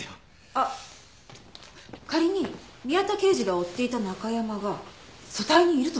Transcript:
あっ仮に宮田刑事が追っていたナカヤマが組対にいるとしたら？